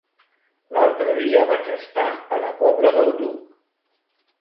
L'altre dia vaig estar a la Pobla del Duc.